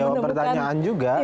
menjawab pertanyaan juga